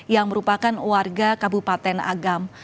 yang merupakan warga kabupaten agam